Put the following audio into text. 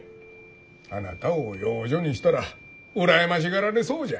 あなたを養女にしたら羨ましがられそうじゃ。